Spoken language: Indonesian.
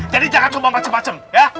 jadi jangan cuma macem macem ya